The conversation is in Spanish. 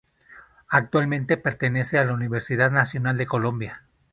Actualmente pertenece a la Universidad Nacional de Colombia.